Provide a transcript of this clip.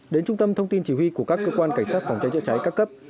đến trung tâm thông tin chỉ huy của các cơ quan cảnh sát phòng cháy chữa cháy các cấp